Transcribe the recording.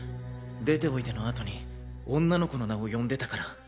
「出ておいで」のあとに女の子の名を呼んでたから。